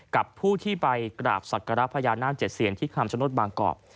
กับผู้ที่ไปกราบศักระพญานาคเจ็ดเซียนที่คำชโนธบางกอก